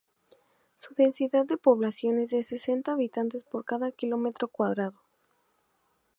Su densidad de población es de sesenta habitantes por cada kilómetro cuadrado.